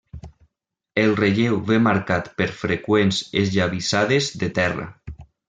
El relleu ve marcat per freqüents esllavissades de terra.